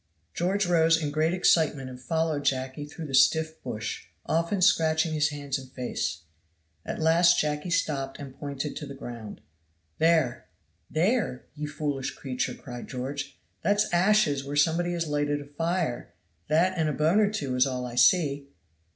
George rose in great excitement and followed Jacky through the stiff bush, often scratching his hands and face. At last Jacky stopped and pointed to the ground, "There!" "There? ye foolish creature," cried George; "that's ashes where somebody has lighted a fire; that and a bone or two is all I see."